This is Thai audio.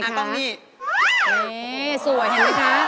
นี่สวยเห็นมั้ยคะ